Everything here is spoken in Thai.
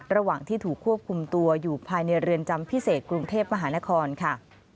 ระหว่างที่ถูกควบคุมตัวอยู่ภายในเรือนจำพิเศษกรุงเทพมหานครค่ะ